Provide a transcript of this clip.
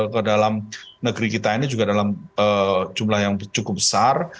ke dalam negeri kita ini juga dalam jumlah yang cukup besar